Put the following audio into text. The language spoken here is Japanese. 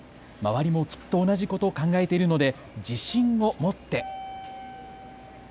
周りもきっと同じことを考えているので自信を持って。